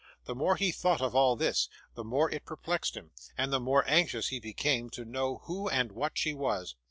The more he thought of all this, the more it perplexed him, and the more anxious he became to know who and what she was.